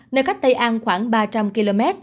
nơi cách tây an khoảng ba trăm linh km